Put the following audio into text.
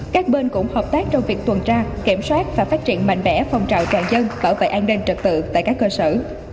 các bên cũng hợp tác trong việc tuần tra kiểm soát và phát triển mạnh mẽ phong trào toàn dân bảo vệ an ninh trật tự tại các cơ sở